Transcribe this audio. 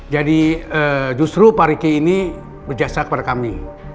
jadi justru pak riki ini berjasa kepada kami